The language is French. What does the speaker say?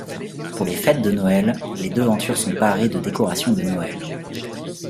Pour les fêtes de Noël, les devantures sont parées de décorations de Noël.